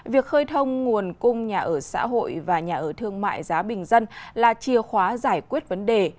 việc khơi thông nguồn cung nhà ở xã hội và nhà ở thương mại giá bình dân là chìa khóa giải quyết vấn đề